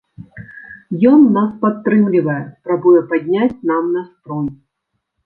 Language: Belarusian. Ён нас падтрымлівае, спрабуе падняць нам настрой.